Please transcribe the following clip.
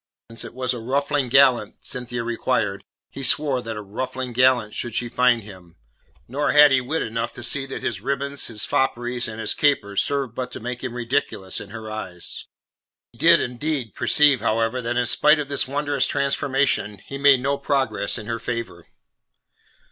Since it was a ruffling gallant Cynthia required, he swore that a ruffling gallant should she find him; nor had he wit enough to see that his ribbons, his fopperies, and his capers served but to make him ridiculous in her eyes. He did indeed perceive, however, that in spite of this wondrous transformation, he made no progress in her favour.